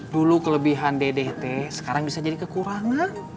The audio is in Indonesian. dulu kelebihan dede teh sekarang bisa jadi kekurangan